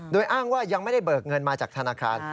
โดยอ้างว่ายังไม่ได้เบิกเงินมาจากธนาคาร